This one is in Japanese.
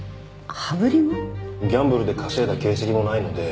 ギャンブルで稼いだ形跡もないので。